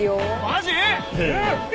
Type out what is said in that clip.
マジ！？